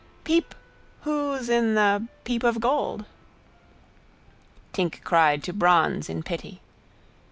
Peep! Who's in the... peepofgold? Tink cried to bronze in pity.